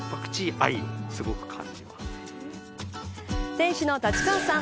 店主の立川さん